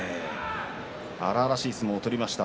荒々しい相撲を取りました。